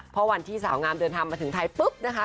เพราะวันที่สาวงามเดินทางมาถึงไทยปุ๊บนะคะ